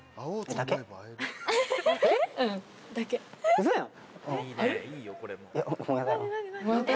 ウソやん！